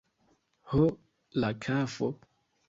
Ho, la kafo!